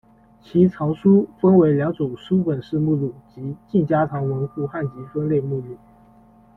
其藏书分为两种书本式目录，即静嘉堂文库汉籍分类目录。